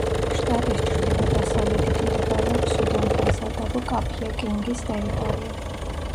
შტატის ჩრდილო-დასავლეთით მდებარეობს სუდანთან სადავო კაფია-კინგის ტერიტორია.